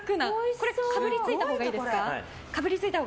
これ、かぶりついたほうがいいですか。